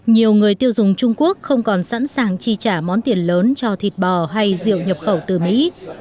nhiều người tiêu dùng trung quốc không còn sẵn sàng chi trả món tiền lớn cho thịt bò hay rượu nhập khẩu từ mỹ